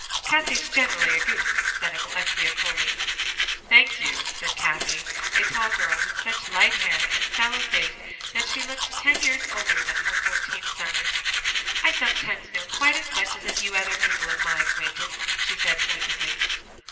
"Cathie's generally a goose," said Alexia coolly. "Thank you," said Cathie, a tall girl, with such light hair and sallow face that she looked ten years older than her fourteen summers. "I sometimes know quite as much as a few other people of my acquaintance," she said pointedly.